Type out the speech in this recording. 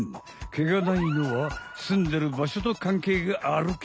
毛がないのはすんでるばしょとかんけいがあるけ。